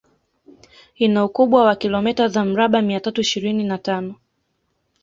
Ina ukubwa wa kilometa za mraba mia tatu ishirini na tano